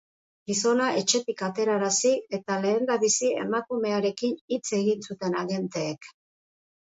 Gizona etxetik aterarazi, eta lehendabizi emakumearekin hitz egin zuten agenteek.